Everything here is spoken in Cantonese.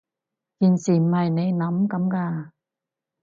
件事唔係你諗噉㗎